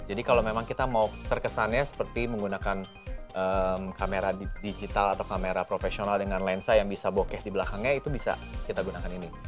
jadi kalau memang kita mau terkesannya seperti menggunakan kamera digital atau kamera profesional dengan lensa yang bisa bokeh di belakangnya itu bisa kita gunakan ini